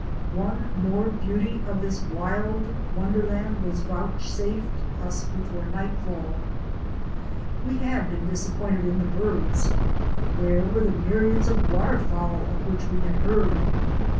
One more beauty of this wild wonderland was vouchsafed us before night fell. We had been disappointed in the birds. Where were the myriads of water fowl of which we had heard?